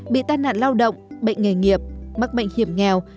bị tai nạn lao động bệnh nghề nghiệp mắc bệnh hiểm nghèo